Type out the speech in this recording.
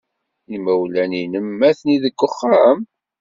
Imawlan-nnem atni deg uxxam?